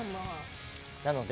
なので。